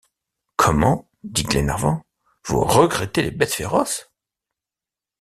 Comment! dit Glenarvan, vous regrettez les bêtes féroces?